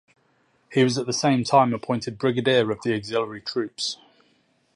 He was at the same time appointed Brigadier of the auxiliary troops.